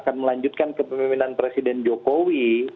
akan melanjutkan kepemimpinan presiden jokowi